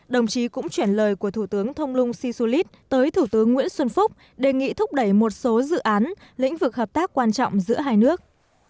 đồng chí cũng chuyển lời của thủ tướng thông lung sisulit tới thủ tướng nguyễn xuân phúc đề nghị thúc đẩy một số dự án lĩnh vực hợp tác quan trọng giữa hai nước